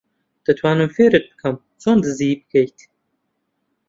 دەتوانم فێرت بکەم چۆن دزی بکەیت.